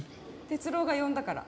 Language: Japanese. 哲郎が呼んだから。